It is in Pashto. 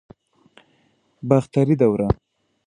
باختري دوره